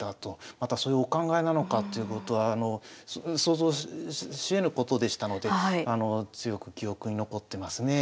またそういうお考えなのかということは想像しえぬことでしたので強く記憶に残ってますねえ。